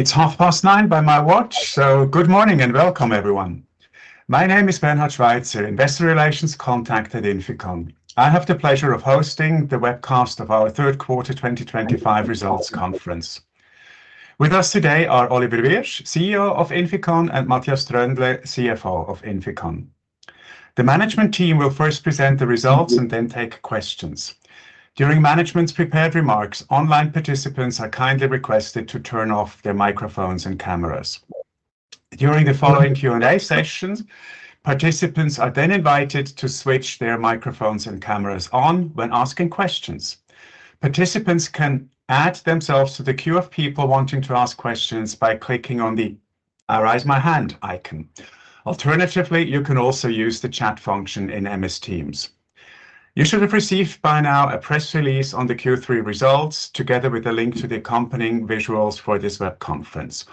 It's 9:30 A.M. by my watch, so good morning and welcome everyone. My name is Bernhard Schweizer, Investor Relations contact at INFICON. I have the pleasure of hosting the webcast of our third quarter 2025 results conference. With us today are Oliver Wyrsch, CEO of INFICON, and Matthias Tröndle, CFO of INFICON. The management team will first present the results and then take questions during management's prepared remarks online. Participants are kindly requested to turn off their microphones and camera during the following Q&A sessions. Participants are then invited to switch their microphones and cameras on when asking questions. Participants can add themselves to the queue of people wanting to ask questions by clicking on the I raise my hand icon. Alternatively, you can also use the chat function in MS Teams. You should have received by now a press release on the Q3 results together with a link to the accompanying visuals for this web conference.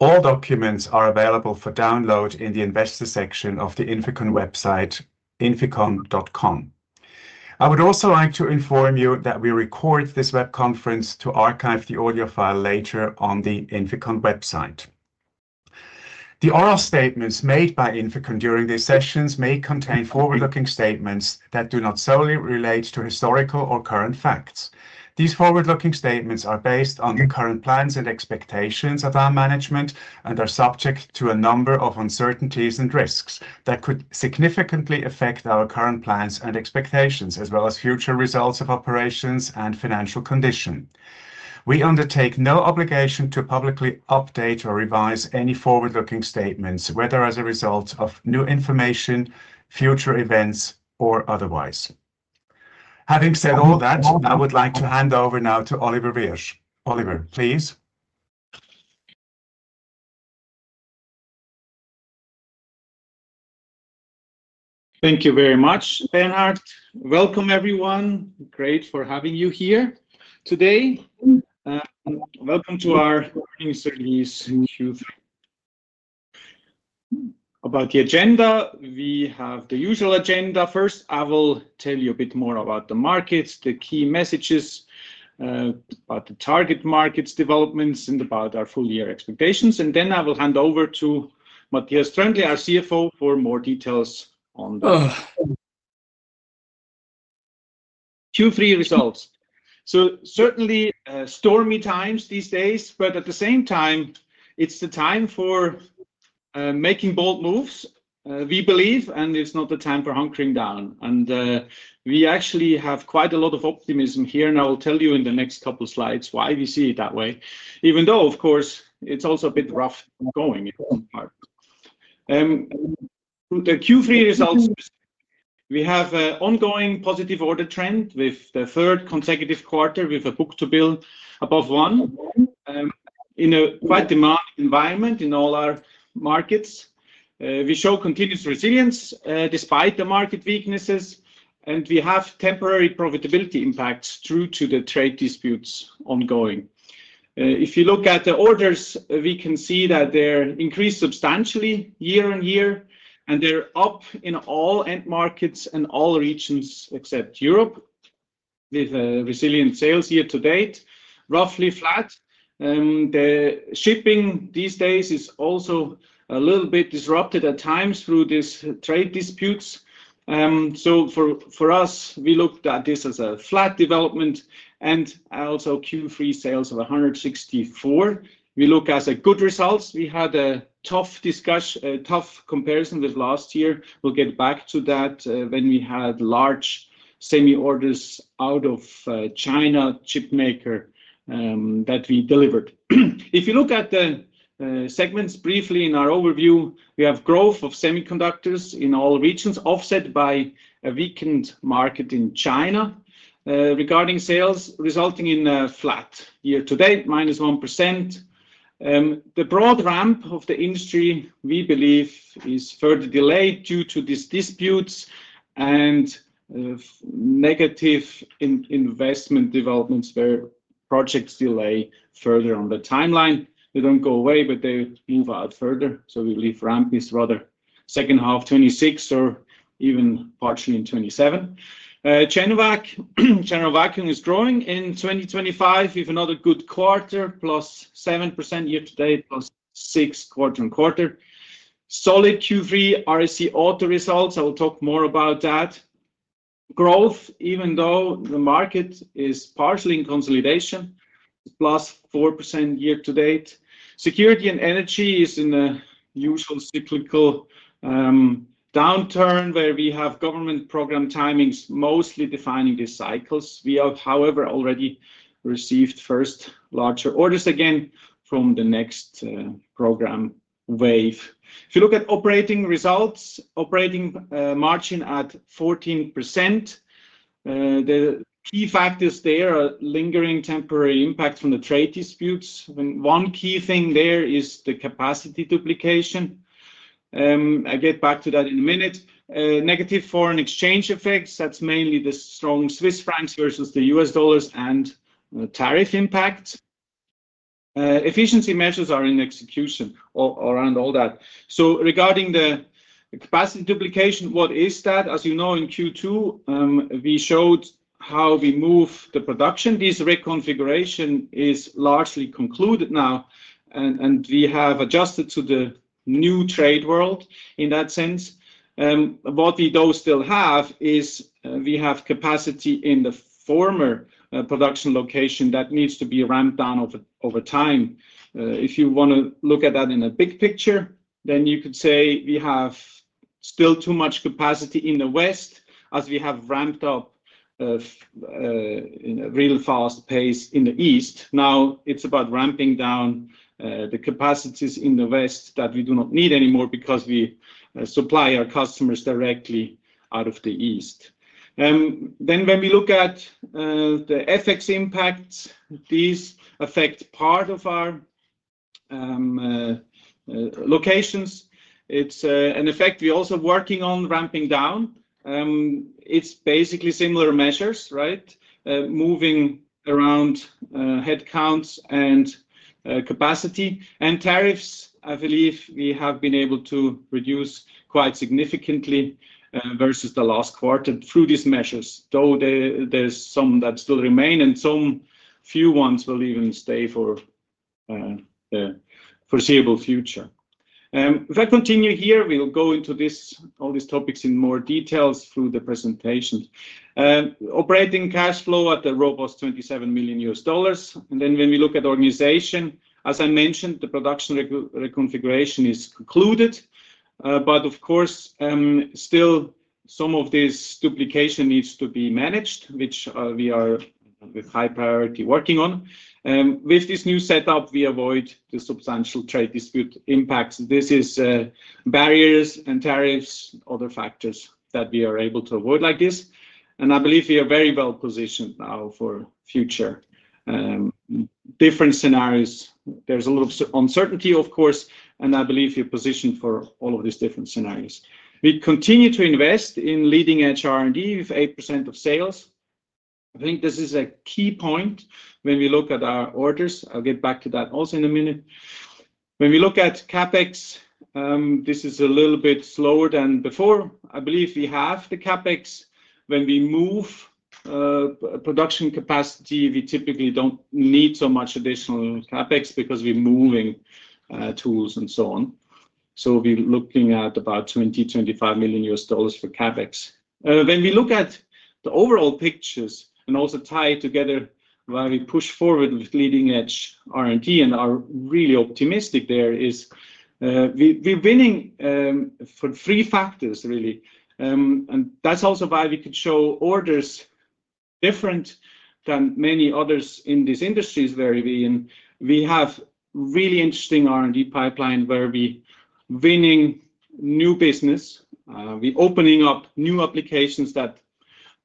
All documents are available for download in the investor section of the INFICON website inficon.com. I would also like to inform you that we record this web conference to archive the audio file later on the INFICON website. The oral statements made by INFICON during these sessions may contain forward-looking statements that do not solely relate to historical or current facts. These forward-looking statements are based on the current plans and expectations of our management and are subject to a number of uncertainties and risks that could significantly affect our current plans and expectations as well as future results of operations and financial condition. We undertake no obligation to publicly update or revise any forward-looking statements, whether as a result of new information, future events or otherwise. Having said all that, I would like to hand over now to Oliver Wyrsch. Oliver, please. Thank you very much, Bernhard. Welcome everyone. Great for having you here today. Welcome to our Q3. About the agenda, we have the usual agenda. First, I will tell you a bit more about the markets, the key messages about the target markets developments, and about our full year expectations. Then I will hand over to Matthias Tröndle, our CFO, for more details on Q3 results. Certainly stormy times these days, but at the same time it's the time for making bold moves, we believe, and it's not the time for hunkering down. We actually have quite a lot of optimism here, and I will tell you in the next couple slides why we see it that way. Even though, of course, it's also a bit rough going. Q3 results: We have an ongoing positive order trend with the third consecutive quarter with a book-to-bill above one. In a quite demanding environment in all our markets, we show continuous resilience despite the market weaknesses, and we have temporary profitability impacts due to the trade disputes ongoing. If you look at the orders, we can see that they increase substantially year on year, and they're up in all end markets and all regions except Europe, with resilient sales year to date, roughly flat. The shipping these days is also a little bit disrupted at times through these trade disputes. For us, we looked at this as a flat development and also Q3 sales of $164 million. We look at good results. We had a tough comparison with last year. We'll get back to that, when we had large semi orders out of China chipmaker that we delivered. If you look at the segments briefly in our overview, we have growth of semiconductors in all regions, offset by a weakened market in China regarding sales, resulting in flat year to date, minus 1%. The broad ramp of the industry, we believe, is further delayed due to these disputes and negative investment developments. Where projects delay further on the timeline, they don't go away, but they evolve further. We believe ramp is rather second half 2026 or even partially in 2027. General vacuum is growing in 2025 with another good quarter, plus 7% year to date, plus 6% quarter on quarter, solid Q3 RAC Auto results. I will talk more about that growth. Even though the market is partially in consolidation, plus 4% year to date. Security and energy is in a usual cyclical downturn where we have government program timings mostly defining these cycles. We have, however, already received first larger orders again from the next program wafer. If you look at operating results, operating margin at 14%. The key factors there are lingering temporary impact from the trade disputes. One key thing there is the capacity duplication. I get back to that in a minute. Negative foreign exchange effects. That's mainly the strong Swiss franc versus the US dollar and tariff impact. Efficiency measures are in execution around all that. Regarding the capacity duplication, what is that? As you know, in Q2 we showed how we move the production. This reconfiguration is largely concluded now and we have adjusted to the new trade world. In that sense, what we do still have is we have capacity in the former production location that needs to be ramped down over time. If you want to look at that in a big picture, then you could say we have still too much capacity in the West as we have ramped up real fast pace in the East. Now it's about ramping down the capacities in the West that we do not need anymore because we supply our customers directly out of the East. When we look at the FX impacts, these affect part of our locations. It's an effect we are also working on ramping down. It's basically similar measures, right? Moving around headcounts and capacity, and tariffs I believe we have been able to reduce quite significantly versus the last quarter through these measures, though there's some that still remain and some few ones will even stay for the foreseeable future. If I continue here, we will go into all these topics in more detail through the presentations. Operating cash flow at the robust $27 million, and then when we look at organization, as I mentioned, the production reconfiguration is concluded, but of course still some of this duplication needs to be managed, which we are with high priority working on. With this new setup, we avoid the substantial trade dispute impacts. This is barriers and tariffs, other factors that we are able to avoid like this. I believe we are very well positioned now for future different scenarios. There's a lot of uncertainty, of course, and I believe you're positioned for all of these different scenarios. We continue to invest in leading edge R&D with 8% of sales. I think this is a key point when we look at our orders. I'll get back to that also in a minute. When we look at CapEx, this is a little bit slower than before. I believe we have the CapEx. When we move production capacity, we typically don't need so much additional CapEx because we're moving tools and so on. We're looking at about $20 million, $25 million for CapEx when we look at the overall picture and also tie it together while we push forward with leading edge R&D and are really optimistic. There is we winning for three factors really, and that's also why we could show orders different than many others in these industries where we have really interesting R&D pipeline, where we winning new business, we opening up new applications that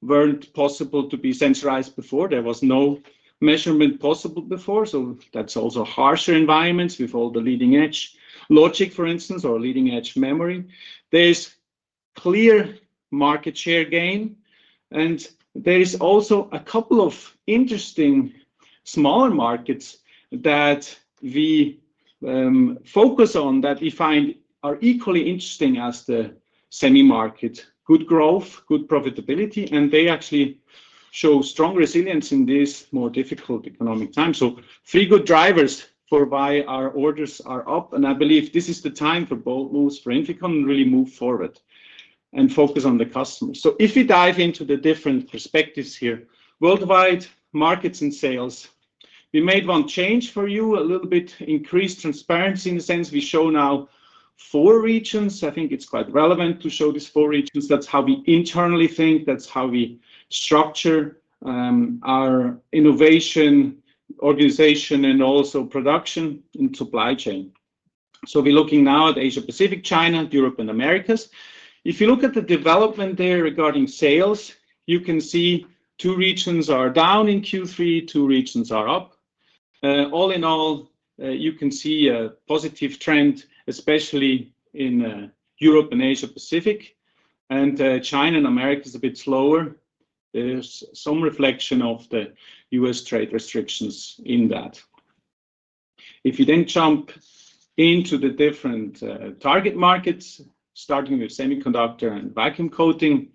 weren't possible to be sensorized before. There was no measurement possible before. That's also harsher environments with all the leading edge logic, for instance, or leading edge memory. There's clear market share gain and there is also a couple of interesting smaller markets that we focus on that we find are equally interesting as the semi market. Good growth, good profitability, and they actually show strong resilience in these more difficult economic times. Three good drivers for why our orders are up and I believe this is the time for bold moves for INFICON, really move forward and focus on the customer. If we dive into the different perspectives here, worldwide markets and sales, we made one change for you, a little bit increased transparency in the sense we show now four regions. I think it's quite relevant to show these four regions. That's how we internally think, that's how we structure our innovation organization and also production in supply chain. We're looking now at Asia Pacific, China, Europe, and Americas. If you look at the development there regarding sales, you can see two regions are down in Q3, two regions are up. All in all, you can see a positive trend, especially in Europe and Asia Pacific, and China and America is a bit slower. There's some reflection of the U.S. trade restrictions in that. If you then jump into the different target markets, starting with semiconductor and vacuum coating,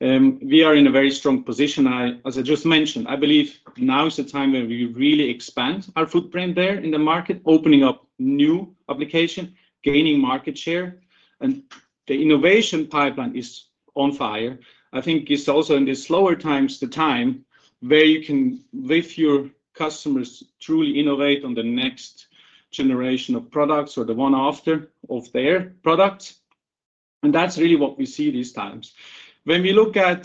we are in a very strong position. As I just mentioned, I believe now is the time where we really expand our footprint there in the market. Opening up new application, gaining market share, and the innovation pipeline is on fire. I think it's also in the slower times, the time where you can with your customers truly innovate on the next generation of products or the one after of their products. That's really what we see these times when we look at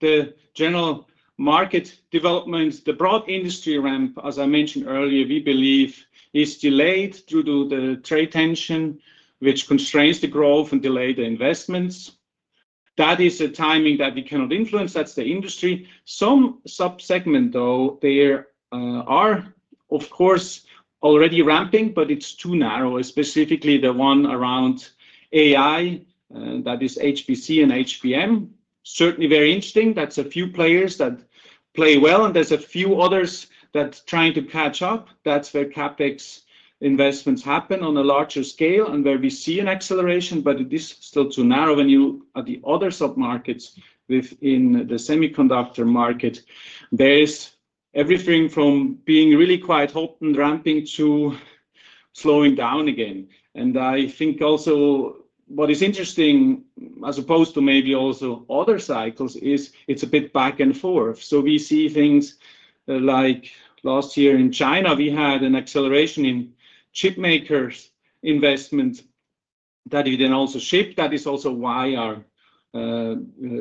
the general market development. The broad industry ramp, as I mentioned earlier, we believe is delayed due to the trade tension which constrains the growth and delayed investments. That is a timing that we cannot influence. That's the industry. Some subsegment, though, are of course already ramping, but it's too narrow. Specifically, the one around AI, that is HPC and HBM, certainly very interesting. That's a few players that play well and there's a few others that are trying to catch up. That's where CapEx investments happen on a larger scale and where we see an acceleration, but it is still too narrow. When you look at the other submarkets within the semiconductor market, there's everything from being really quite hot and ramping to slowing down again. I think also what is interesting, as opposed to maybe also other cycles, is it's a bit back and forth. We see things like last year in China, we had an acceleration in chip makers' investment that we then also shipped. That is also why our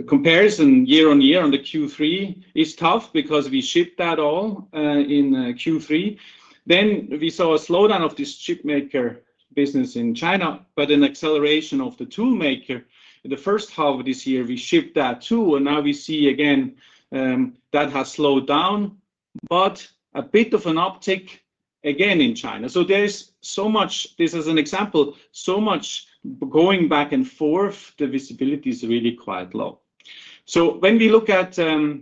comparison year on year on the Q3 is tough because we shipped that all in Q3. We then saw a slowdown of this chip maker business in China, but an acceleration of the tool maker. The first half of this year, we shipped that too. Now we see again that has slowed down, but a bit of an uptick again in China. There is so much, this is an example, so much going back and forth. The visibility is really quite low. When we look at the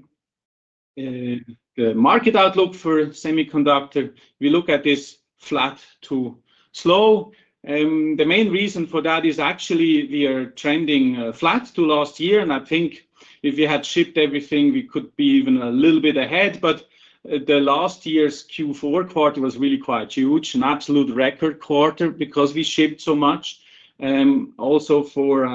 market outlook for semiconductor, we look at this flat to slow. The main reason for that is actually we are trending flat to last year and I think if you had shipped everything, we could be even a little bit ahead. The last year's Q4 quarter was really quite huge, an absolute record quarter because we shipped so much. Also for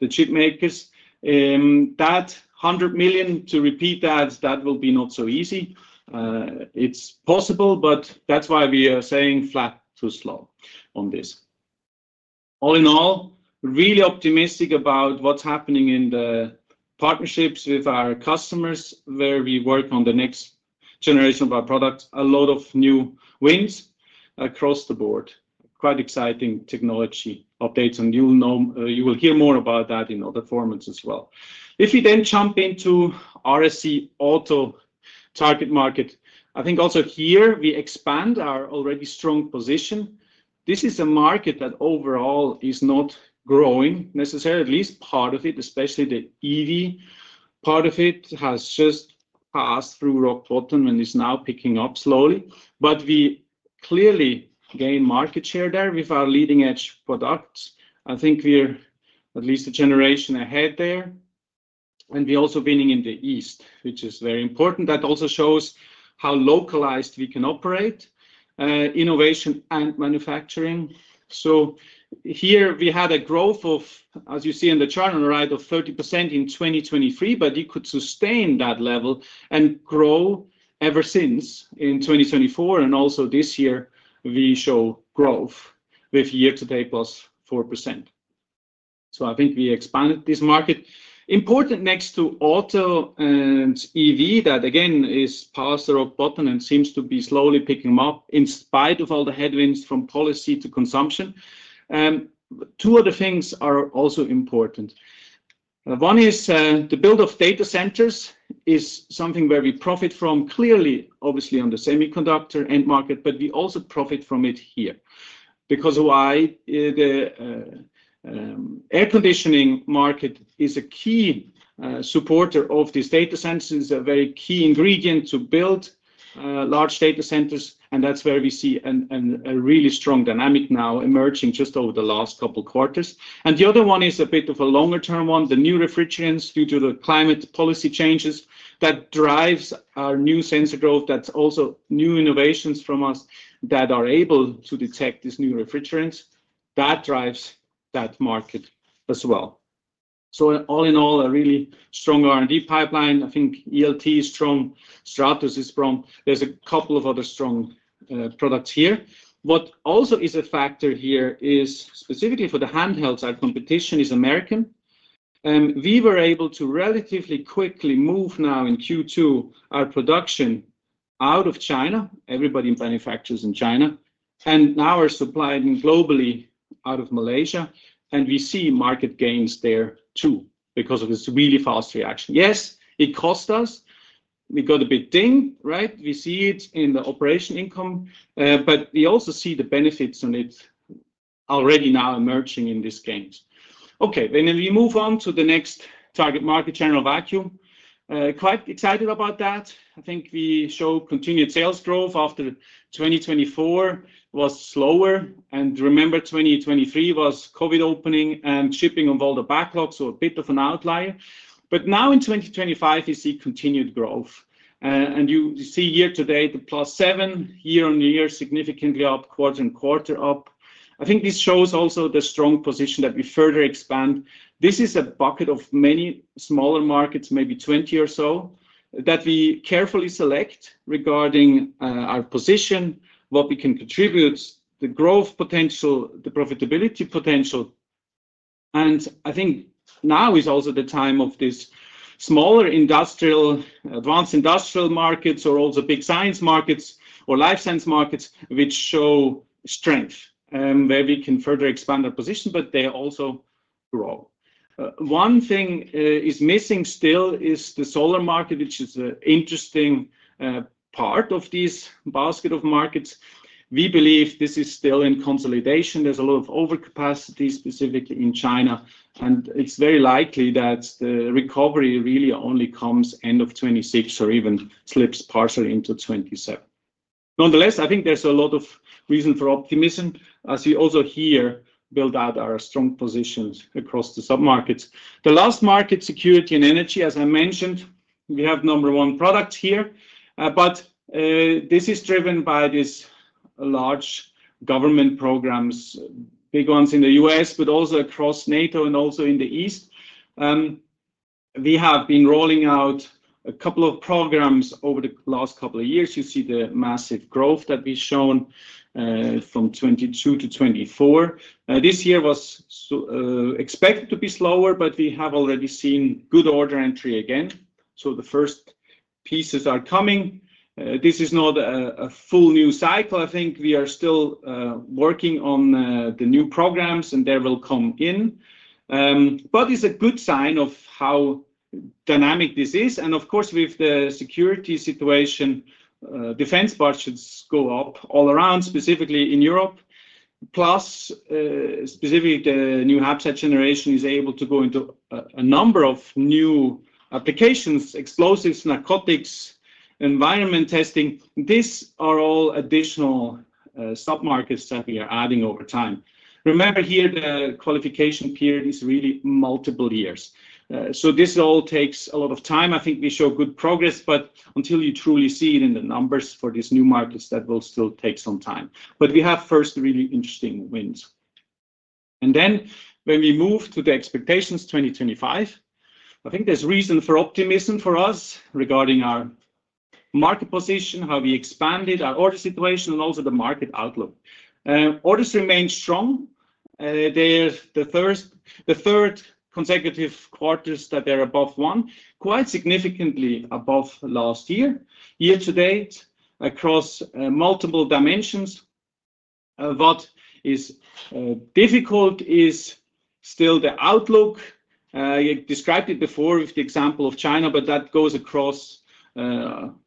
the chip makers, that $100 million, to repeat that, that will be not so easy. It's possible. That's why we are saying flat to slow on this. All in all, really optimistic about what's happening in the partnerships with our customers where we work on the next generation of our products. A lot of new wins across the board. Quite exciting technology updates and you'll know you will hear more about that in other formats as well. If we then jump into RAC Auto target market, I think also here we expand our already strong position. This is a market that overall is not growing necessarily. At least part of it, especially the EV part of it, has just passed through rock bottom and is now picking up slowly. We clearly gain market share there with our leading edge products. I think we're at least a generation ahead there and we're also winning in the East, which is very important. That also shows how localized we can operate innovation and manufacturing. Here we had a growth, as you see in the chart on the right, of 30% in 2023. You could sustain that level and grow ever since in 2024. This year we show growth with year to date =4%. I think we expanded this market, important next to auto and EV. That again is past the rock bottom and seems to be slowly picking up in spite of all the headwinds from policy to consumption. Two other things are also important. One is the build of data centers, which is something where we profit from clearly, obviously on the semiconductor end market. We also profit from it here because the air conditioning market is a key supporter of these data centers, a very key ingredient to build large data centers. That's where we see a really strong dynamic now emerging just over the last couple of quarters. The other one is a bit of a longer term one, the new refrigerants due to the climate policy changes that drives our new sensor growth. That's also new innovations from us that are able to detect these new refrigerants, which drives that market as well. All in all, a really strong R&D pipeline. I think ELT is strong. Stratos is strong. There's a couple of other strong products here. What also is a factor here is specifically for the handhelds. Our competition is American. We were able to relatively quickly move now in Q2 our production out of China. Everybody manufactures in China and now are supplied globally out of Malaysia. We see market gains there too because of this really fast reaction. Yes, it cost us. We got a big ding, right. We see it in the operating income, but we also see the benefits on it already now emerging in these gains. We move on to the next target market, General Vacuum. Quite excited about that. I think we show continued sales growth after 2024 was slower. Remember 2023 was COVID opening and shipping of all the backlog, so a bit of an outlier. Now in 2025 you see continued growth and you see year to date, the +7% year on year significantly up, quarter on quarter up. I think this shows also the strong position that we further expand. This is a bucket of many smaller markets, maybe 20 or so that we carefully select regarding our position, what we can contribute, the growth potential, the profitability potential. I think now is also the time of these smaller industrial, advanced industrial markets or also big science markets or life science markets which show strength where we can further expand our position, but they also grow. One thing is missing still is the solar market, which is an interesting part of this basket of markets. We believe this is still in consolidation. There's a lot of overcapacity specifically in China, and it's very likely that the recovery really only comes end of 2026 or even slips partially into 2027. Nonetheless, I think there's a lot of reason for optimism as you also hear build out our strong positions across the submarkets. The last market, security and energy. As I mentioned, we have number one product here, but this is driven by these large government programs, big ones in the U.S. but also across NATO and also in the East. We have been rolling out a couple of programs over the last couple of years. You see the massive growth that we've shown from 2022 to 2024. This year was expected to be slower, but we have already seen good order entry again. The first pieces are coming. This is not a full new cycle. I think we are still working on the new programs and they will come in, but it's a good sign of how dynamic this is. Of course, with the security situation, defense budgets go up all around, specifically in Europe. Plus, specific new habitat generation is able to go into a number of new applications. Explosives, narcotics, environment, testing, these are all additional submarkets that we are adding over time. Remember here the qualification period is really multiple years, so this all takes a lot of time. I think we show good progress, but until you truly see it in the numbers for these new markets, that will still take some time. We have first really interesting wins. When we move to the expectations 2025, I think there's reason for optimism for us regarding our market position, how we expanded our order situation and also the market outlook. Orders remain strong. They're the first, the third consecutive quarters that they're above one, quite significantly above last year, year to date across multiple dimensions. What is difficult is still the outlook described it before with the example of China. That goes across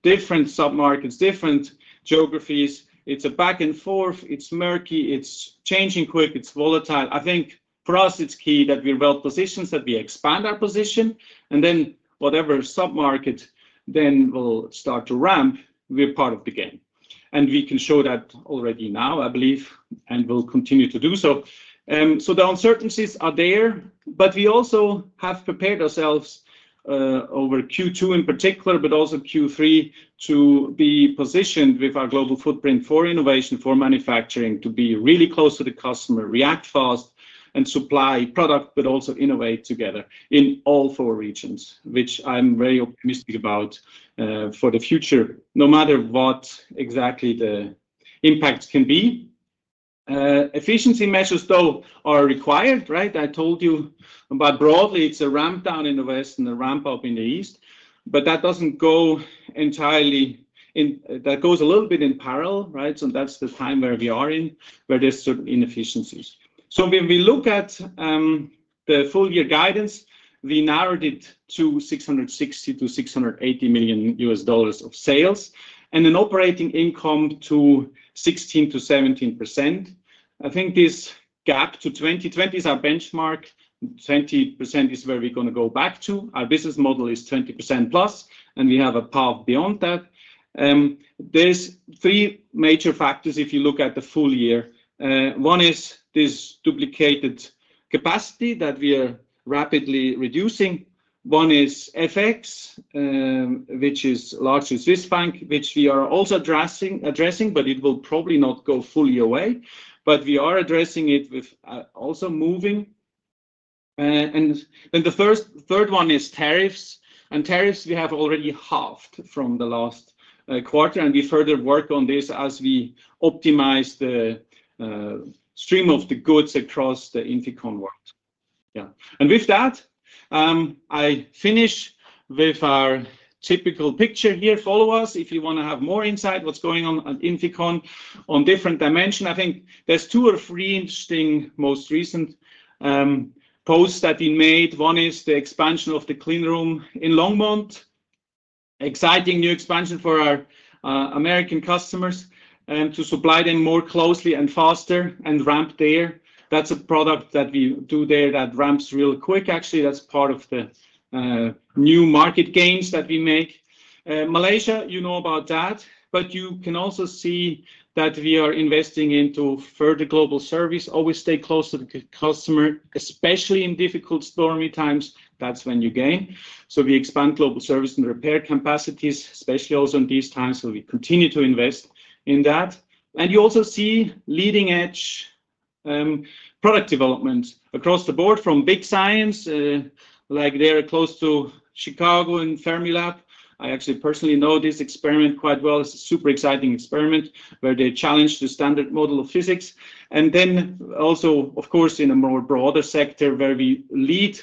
different submarkets, different geographies. It's a back and forth, it's murky, it's changing quick, it's volatile. I think for us it's key that we're well positioned, that we expand our position and then whatever submarket will start to ramp, we're part of the game and we can show that already now, I believe, and will continue to do so. The uncertainties are there, but we also have prepared ourselves over Q2 in particular, but also Q3, to be positioned with our global footprint for innovation, for manufacturing, to be really close to the customer, react fast and supply product, but also innovate together in all four regions, which I'm very optimistic about for the future, no matter what exactly the impacts can be. Efficiency measures though are required. I told you, broadly it's a ramp down in the west and a ramp up in the east. That doesn't go entirely, that goes a little bit in parallel. That's the time where we are in, where there's certain inefficiencies. When we look at the full year guidance, we narrowed it to $660 million to $680 million of sales and an operating income to 16%-17%. I think this gap to 2020 is our benchmark. 20% is where we're going to go back to. Our business model is 20%+ and we have a path beyond that. There are three major factors if you look at the full year. One is this duplicated capacity that we are rapidly reducing. One is FX, which is largely Swiss franc, which we are also addressing, but it will probably not go fully away. We are addressing it with also moving. The third one is tariffs, and tariffs we have already halved from the last quarter and we further work on this as we optimize the stream of the goods across the INFICON world. With that, I finish with our typical picture here. Follow us if you want to have more insight into what's going on at INFICON on different dimensions. I think there are two or three interesting most recent posts that have been made. One is the expansion of the clean room in Longmont, exciting new expansion for our American customers to supply them more closely and faster and ramp there. That's a product that we do there that ramps real quick, actually that's part of the new market gains that we make. Malaysia, you know about that. You can also see that we are investing into further global service. Always stay close to the customer, especially in difficult stormy times. That's when you gain, so we expand global service and repair capacities, especially also in these times. We continue to invest in that, and you also see leading edge product development across the board from big science, like there close to Chicago and Fermilab. I actually personally know this experiment quite well. It's a super exciting experiment where they challenge the standard model of physics. Also, of course, in a more broader sector where we lead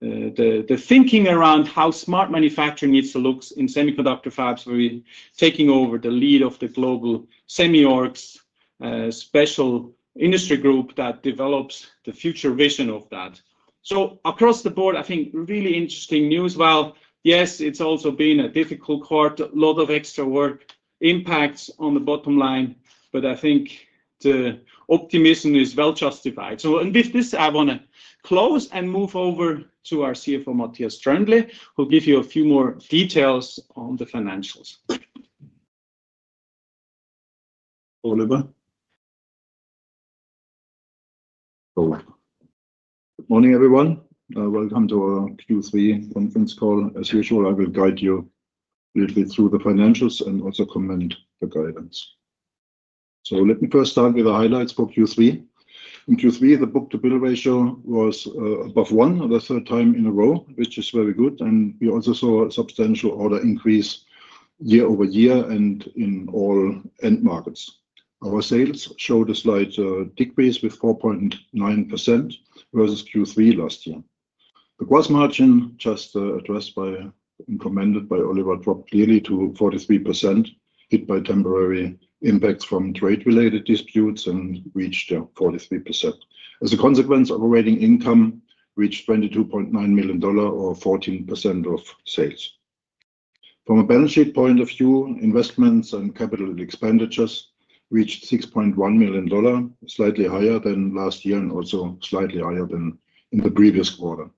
the thinking around how smart manufacturing needs to look in semiconductor fabs. We are taking over the lead of the global semi org's special industry group that develops the future vision of that. Across the board, I think really interesting news. Yes, it's also been a difficult part, a lot of extra work impacts on the bottom line, but I think the optimism is well justified. With this, I want to close and move over to our CFO Matthias Tröndle, who will give you a few more details on the financials. Good morning everyone. Welcome to our Q3 conference call. As usual I will guide you briefly through the financials and also comment the guidance. Let me first start with the highlights for Q3. In Q3 the book-to-bill ratio was above one for the third time in a row, which is very good. We also saw a substantial order increase year over year. In all end markets our sales showed a slight decrease with 4.9% versus Q3 last year. The gross margin just addressed by, commended by Oliver, dropped clearly to 43%, hit by temporary impacts from trade-related disputes and reached 43% as a consequence. Operating income reached $22.9 million or 14% of sales. From a balance sheet point of view, investments and capital expenditures reached $6.1 million, slightly higher than last year and also slightly higher than in the previous quarter.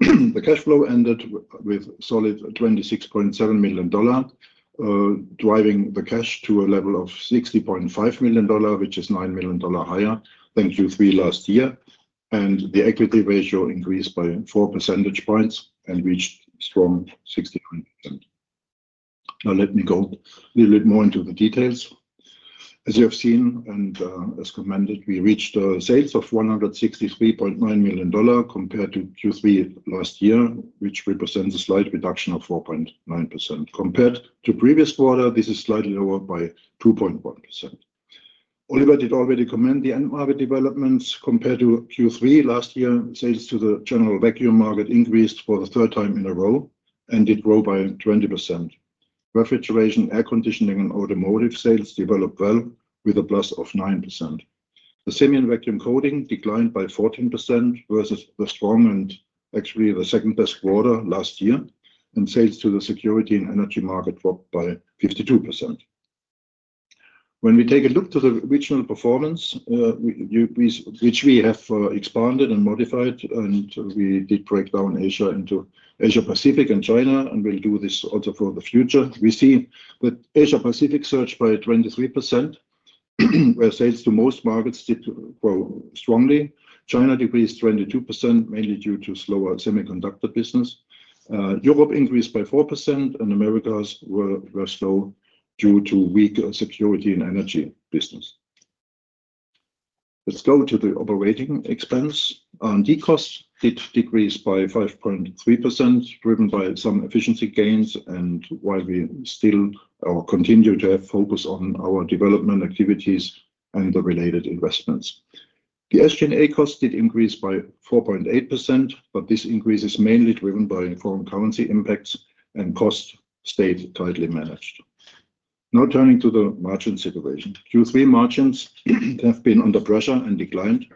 The cash flow ended with solid $26.7 million, driving the cash to a level of $60.5 million, which is $9 million higher than Q3 last year. The equity ratio increased by 4 percentage points and reached strong 69%. Now let me go a little bit more into the details. As you have seen and as commended, we reached sales of $163.9 million compared to Q3 last year, which represents a slight reduction of 4.9% compared to previous quarter. This is slightly lower by 2.1%. Oliver did already comment the end market developments compared to Q3 last year. Sales to the general vacuum market increased for the third time in a row and did grow by 20%. Refrigeration, air conditioning and automotive sales developed well with a plus of 9%. The semiconductor vacuum coating declined by 14% versus the strong and actually the second best quarter last year. Sales to the security and energy market dropped by 52%. When we take a look to the regional performance, which we have expanded and modified, and we did break down Asia into Asia Pacific and China and will do this also for the future, we see Asia Pacific surged by 23% where sales to most markets did grow strongly. China decreased 22% mainly due to slower semiconductor business. Europe increased by 4% and Americas were slow due to weak security and energy business. Let's go to the operating expense. R&D cost did decrease by 5.3% driven by some efficiency gains. While we still continue to have focus on our development activities and the related investments, the SG&A cost did increase by 4.8%. This increase is mainly driven by foreign currency impacts and costs stayed tightly managed. Now turning to the margin situation. Q3 margins have been under pressure and declined.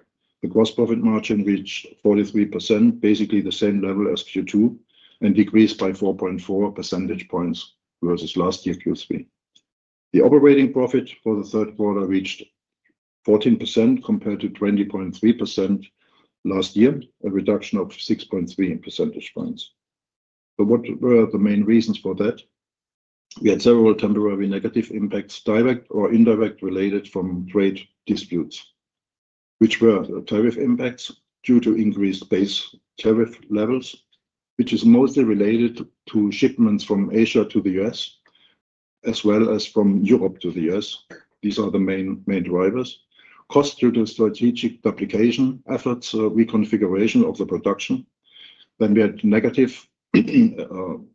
The gross profit margin reached 43%, basically the same level as Q2, and decreased by 4.4 percentage points versus last year Q3. The operating profit for the third quarter reached 14% compared to 20.3% last year, a reduction of 6.3 percentage points. What were the main reasons for that? We had several temporary negative impacts, direct or indirect, related from trade disputes which were tariff impacts due to increased base tariff levels, which is mostly related to shipments from Asia to the U.S. as well as from Europe to the U.S. These are the main drivers. Cost due to strategic duplication efforts, reconfiguration of the production. We had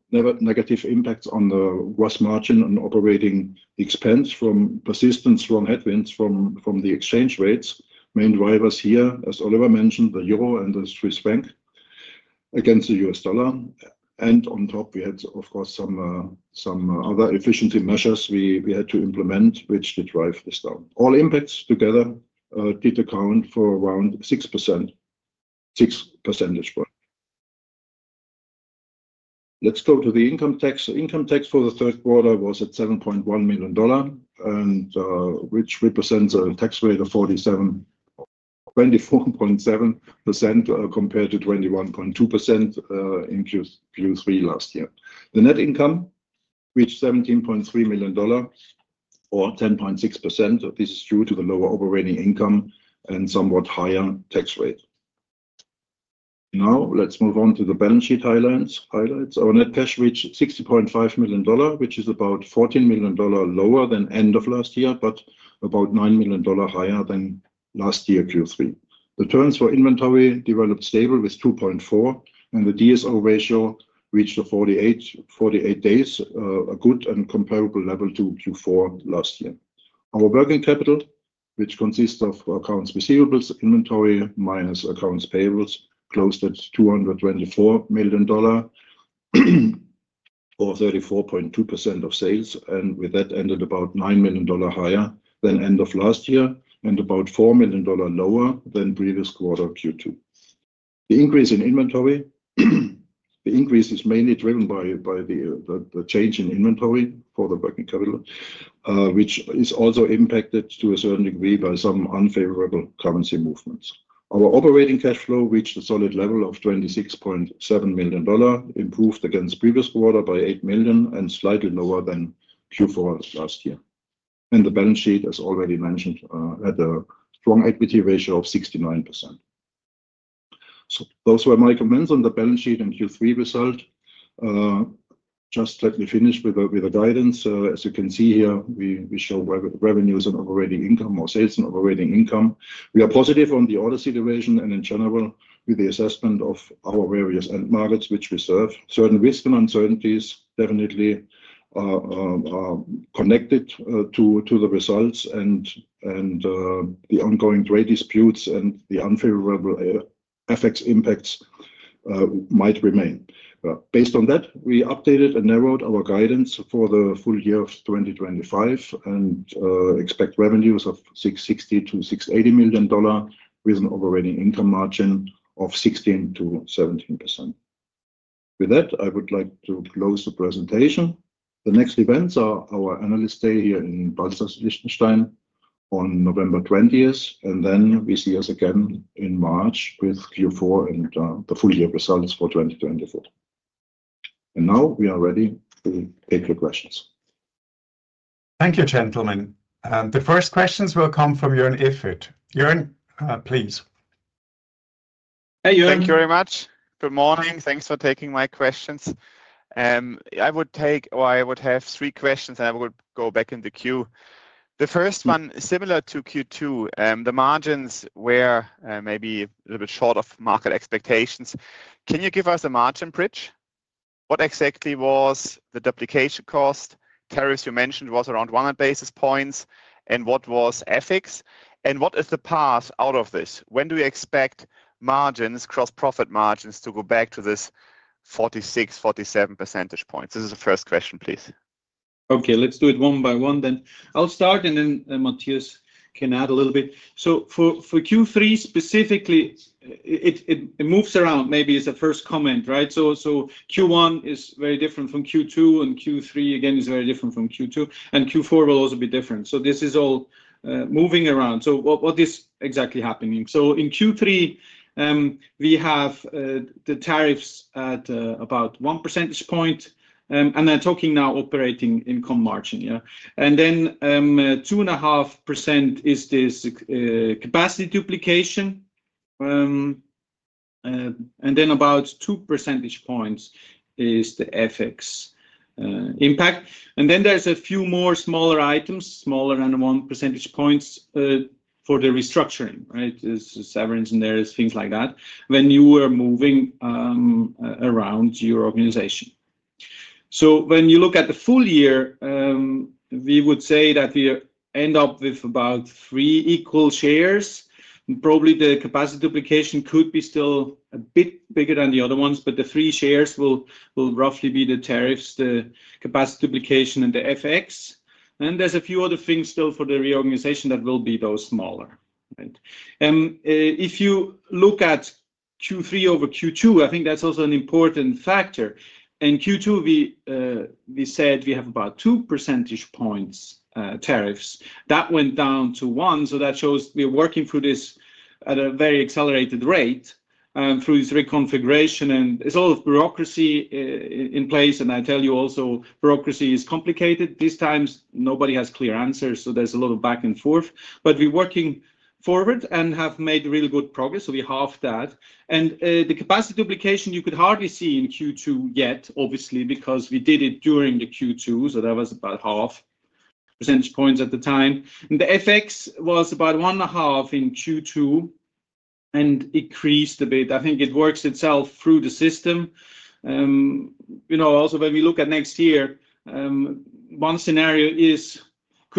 negative impacts on the gross margin and operating expense from persistence, from headwinds, from the exchange rates. Main drivers here, as Oliver mentioned, the Euro and the Swiss franc against the U.S. dollar, and on top we had, of course, some other efficiency measures we had to implement which did drive this down. All impacts together did account for around 6%, 6 percentage points. Let's go to the income tax. Income tax for the third quarter was at $7.1 million, which represents a tax rate of 24.7% compared to 21.2% in Q3 last year. The net income reached $17.3 million or 10.6%. This is due to the lower operating income and somewhat higher tax rate. Now let's move on to the balance sheet highlights. Our net cash reached $60.5 million, which is about $14 million lower than end of last year, but about $9 million higher than last year Q3. The terms for inventory developed stable with 2.4 and the DSO ratio reached 48 days, a good and comparable level to Q4 last year. Our working capital, which consists of accounts receivables, inventory minus accounts payables, closed at $224 million or 34.2% of sales, and with that ended about $9 million higher than end of last year and about $4 million lower than previous quarter Q2. The increase in inventory, the increase is mainly driven by the change in inventory for the working capital, which is also impacted to a certain degree by some unfavorable currency movements. Our operating cash flow reached a solid level of $26.7 million, improved against previous quarter by $8 million and slightly lower than Q4 last year. The balance sheet, as already mentioned, at a strong equity ratio of 69%. Those were my comments on the balance sheet and Q3 result. Just let me finish with the guidance. As you can see here, we show revenues and operating income or sales and operating income. We are positive on the order situation and in general with the assessment of our various end markets which we serve. Certain risk and uncertainties definitely connected to the results and the ongoing trade disputes and the unfavorable FX impacts might remain. Based on that, we updated and narrowed our guidance for the full year of 2025 and expect revenues of $660-$680 million with an overall income margin of 16%-17%. With that, I would like to close the presentation. The next events are our analyst day here in Balzers, Liechtenstein on November 20th and then we see us again in March with Q4 and the full year results for 2024. Now we are ready to take your questions. Thank you, gentlemen. The first questions will come from Jörn Iffert. Jörn, please. Hey, thank you very much. Good morning. Thanks for taking my questions. I would have three questions and I would go back in the queue. The first one, similar to Q2, the margins were maybe a little bit short of market expectations. Can you give us a margin bridge? What exactly was the duplication cost carries you mentioned was around 100 basis points? And what was FX? What is the path out of this? When do we expect margins, gross profit margins, to go back to this 46%, 47%? This is the first question, please. Okay, let's do it one by one, then I'll start and then Matthias can add a little bit. For Q3 specifically, it moves around. Maybe it's the first comment. Right. Q1 is very different from Q2, and Q3 again is very different from Q2, and Q4 will also be different. This is all moving around. What is exactly happening? In Q3 we have the tariffs at about 1%. They're talking now operating income margin. Two and a half percent is this capacity duplication. About 2% is the FX impact. There are a few more smaller items, smaller than 1% for the restructuring. Right. Severance. There are things like that when you are moving around your organization. When you look at the full year, we would say that we end up with about three equal shares. Probably the capacity duplication could be still a bit bigger than the other ones, but the three shares will roughly be the tariffs, the capacity duplication, and the FX. There are a few other things still for the reorganization that will be those smaller. If you look at Q3 over Q2, I think that's also an important factor. In Q2 we said we have about 2% tariffs that went down to 1%. That shows we are working through this at a very accelerated rate through this reconfiguration. It's all of bureaucracy in place. I tell you also, bureaucracy is complicated these times. Nobody has clear answers. There is a lot of back and forth. We're working forward and have made really good progress. We halved that. The capacity duplication you could hardly see in Q2 yet, obviously, because we did it during Q2. That was about half a percentage point at the time. The FX was about 1.5% in Q2 and increased a bit. I think it works itself through the system. Also, when we look at next year, one scenario could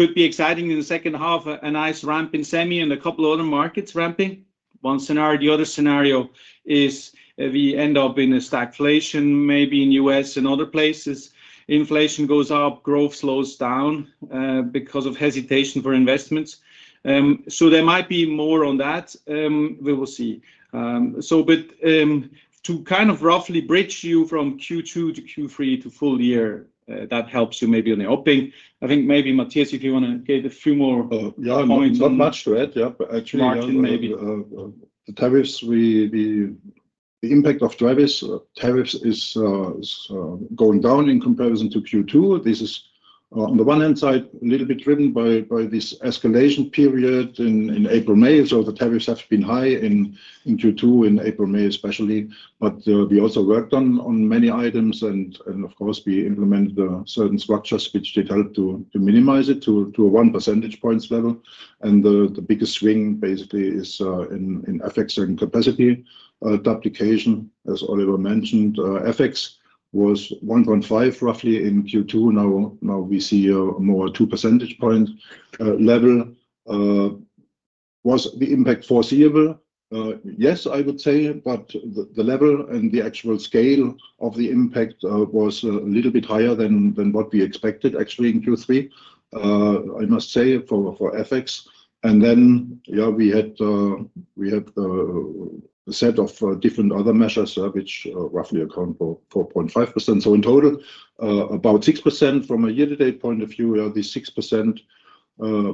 be exciting in the second half. A nice ramp in semi and a couple of other markets ramping up, one scenario. The other scenario is we end up in a stagflation maybe in the U.S. and other places. Inflation goes up, growth slows down because of hesitation for investments. There might be more on that we will see. To kind of roughly bridge you from Q2 to Q3 to full year, that helps you maybe on the open. I think maybe Matthias, if you want to get a few more points. Not much to add. Martin, maybe the tariffs. The impact of tariffs is going down in comparison to Q2. This is on the one hand side a little bit driven by this escalation period in April, May. The tariffs have been high in Q2 in April, May especially. We also worked on many items and of course we implemented certain structures which did help to minimize it to a 1% level. The biggest swing basically is in FX and capacity duplication. As Oliver mentioned, FX was 1.5% roughly in Q2. Now we see more 2% level. Was the impact foreseeable? Yes, I would say but the level and the actual scale of the impact was a little bit higher than what we expected actually in Q3, I must say for FX. We had a set of different other measures which roughly account for 4.5%. In total about 6% from a year to date point of view. The 6%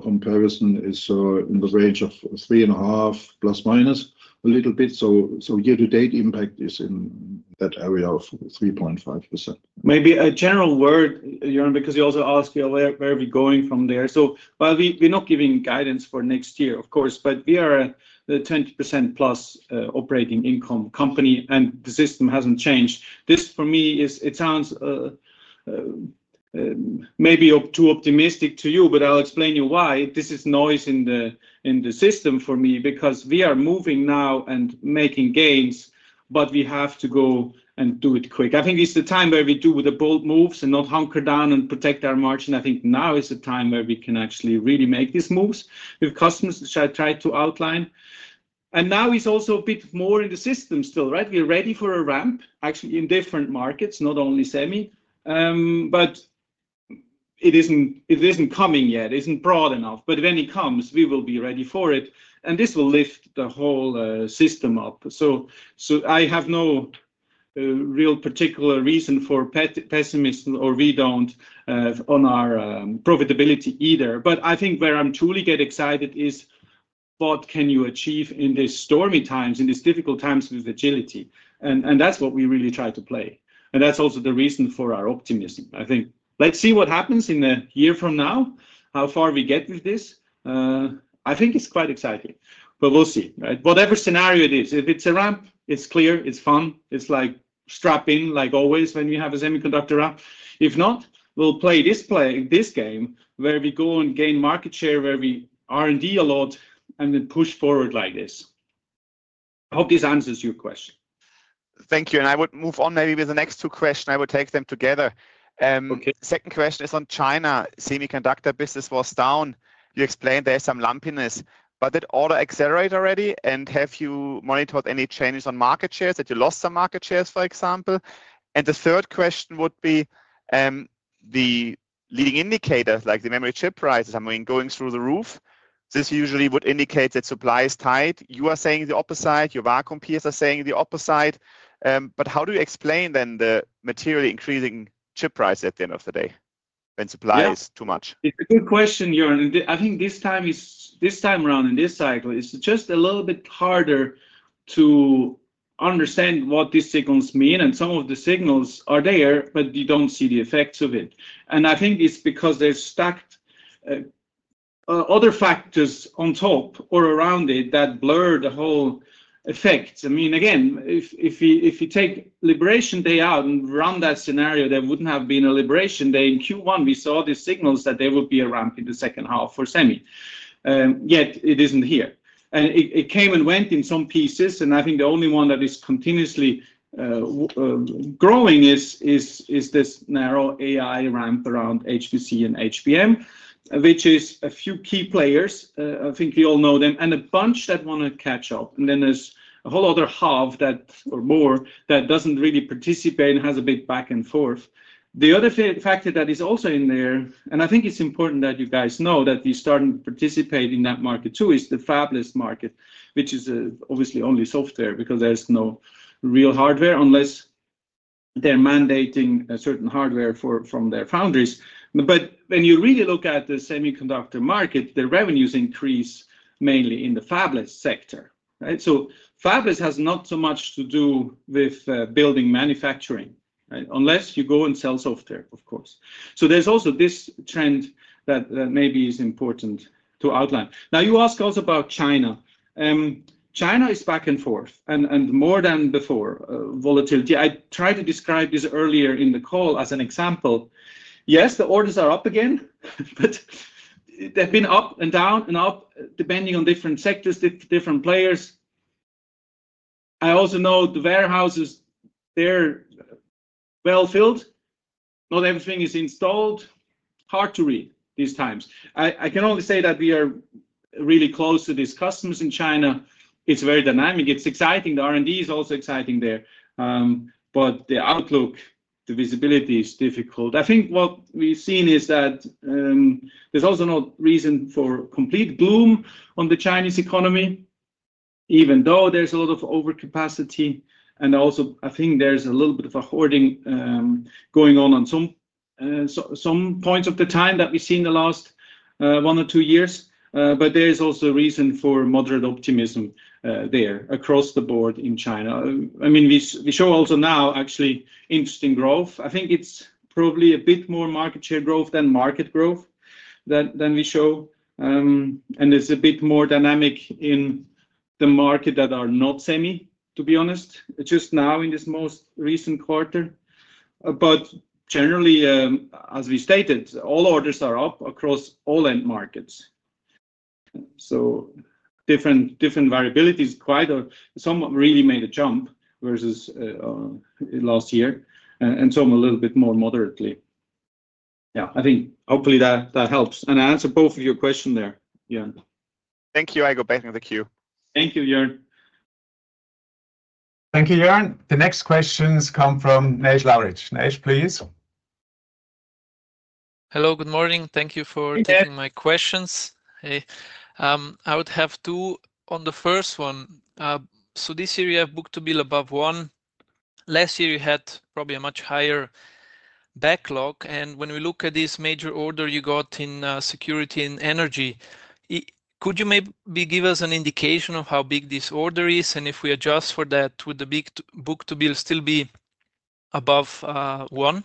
comparison is in the range of 3.5%± a little bit. Year to date impact is in that area of 3.5%. Maybe a general word, Jörn, because you also ask where are we going from there? While we're not giving guidance for next year, of course, we are the 20%+ operating income company and the system hasn't changed. This for me is, it sounds maybe too optimistic to you, but I'll explain why this is noise in the system for me because we are moving now and making gains, but we have to go and do it quick. I think it's the time where we do the bold moves and not hunker down and protect our margin. I think now is the time where we can actually really make these moves with customers, which I tried to outline. Now it's also a bit more in the system still. We're ready for a ramp actually in different markets, not only semi, but it isn't coming yet, isn't broad enough. When it comes, we will be ready for it and this will lift the whole system up. I have no real particular reason for pessimism or we don't on our profitability either. I think where I truly get excited is what can you achieve in these stormy times, in these difficult times with agility. That's what we really try to play. That's also the reason for our optimism, I think. Let's see what happens in a year from now, how far we get with this. I think it's quite exciting, but we'll see, right? Whatever scenario it is, if it's a ramp, it's clear, it's fun. It's like strapping, like always when you have a semiconductor up. If not, we'll play this game where we go and gain market share, where we R&D a lot and then push forward like this. I hope this answers your question. Thank you. I would move on maybe with the next two questions. I will take them together. Second question is on China. Semiconductor business was down. You explained there's some lumpiness. Did order accelerate already? Have you monitored any changes on market shares, that you lost some market shares, for example? The third question would be the leading indicators like the memory chip prices. I mean, going through the roof, this usually would indicate that supply is tight. You are saying the opposite side. Your vacuum peers are saying the opposite side. How do you explain then the materially increasing chip price at the end of the day when supply is too much? It's a good question, Jörn. I think this time around in this cycle, it's just a little bit harder to understand what these signals mean. Some of the signals are there, but you don't see the effects of it. I think it's because they're stacked other factors on top or around it that blur the whole. I mean, again, if you take Liberation Day out and run that scenario, there wouldn't have been a Liberation Day. In Q1 we saw these signals that there would be a ramp in the second half for semi, yet it isn't here. It came and went in some pieces. I think the only one that is continuously growing is this narrow AI ramp around HPC and HBM, which is a few key players. I think you all know them and a bunch that want to catch up. There's a whole other half or more that doesn't really participate and has a big back and forth. The other factor that is also in there, and I think it's important that you guys know that you're starting to participate in that market too, is the fabless market, which is obviously only software because there's no real hardware unless they're mandating certain hardware from their foundries. When you really look at the semiconductor market, the revenues increase mainly in the fabless sector. Fabless has not so much to do with building manufacturing unless you go and sell software, of course. There's also this trend that maybe is important to outline. Now you ask also about China. China is back and forth and more than before, volatility. I tried to describe this earlier in the call as an example. Yes, the orders are up again, but they've been up and down and up depending on different sectors, different players. I also know the warehouses, they're well filled. Not everything is installed. Hard to read these times. I can only say that we are really close to these customers in China. It's very dynamic, it's exciting. The R&D is also exciting there. The outlook, the visibility is difficult. I think what we've seen is that there's also no reason for complete boom on the Chinese economy, even though there's a lot of overcapacity. I think there's a little bit of a hoarding going on on some points of the time that we've seen the last one or two years. There is also a reason for moderate optimism there across the board in China. I mean, we show also now actually interesting growth. I think it's probably a bit more market share growth than market growth than we show. It's a bit more dynamic in the market that are not semi, to be honest, just now in this most recent quarter. Generally, as we stated, all orders are up across all end markets. Different variabilities. Quite some really made a jump versus last year and some a little bit more moderately. I think hopefully that helps and I answer both of your question there. Thank you. I go back in the queue. Thank you, Jörn. Thank you, Jörn. The next questions come from Naji Lavic. Naij, please. Hello, good morning. Thank you for taking my questions. I would have two on the first one. This year you have book-to-bill above 1. Last year you had probably a much higher backlog. When we look at this major order you got in Security and Energy, could you maybe give us an indication of how big this order is? If we adjust for that, would the book-to-bill still be above 1?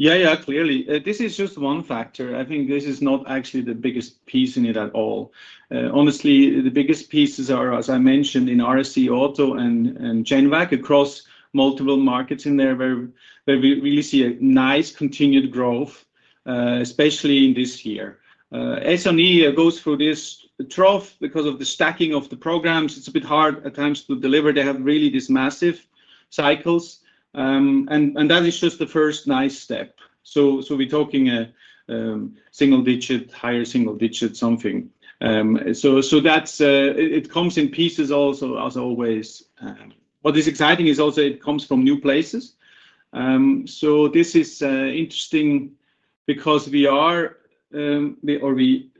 Clearly this is just one factor. I think this is not actually the biggest piece in it at all, honestly. The biggest pieces are, as I mentioned in RAC Auto and genvac across multiple markets in there where we really see a nice continued growth, especially in this year. SNE goes through this trough because of the stacking of the programs. It's a bit hard at times to deliver. They have really these massive cycles and that is just the first nice step. We're talking a single digit higher, single digit something. It comes in pieces also as always, what is exciting is also it comes from new places. This is interesting because we are or we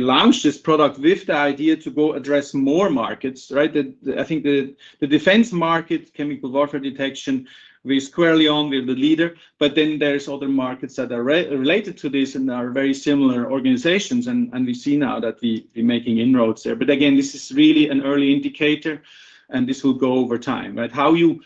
launch this product with the idea to go address more markets, right. I think the defense market, chemical warfare detection, we squarely on, we're the leader. There are other markets that are related to this and are very similar organizations. We see now that we're making inroads there. This is really an early indicator and this will go over time. How you